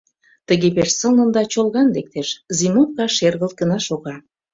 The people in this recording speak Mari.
Тыге пеш сылнын да чолган лектеш, зимовка шергылт гына шога: